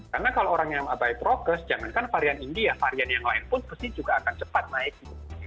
karena kalau orang yang abai prokes jangankan varian india varian yang lain pun pasti juga akan cepat naik gitu